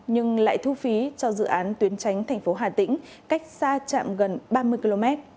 nhưng lại thu phí cho dự án tuyến tránh tp hà tĩnh cách xa trạm gần ba mươi km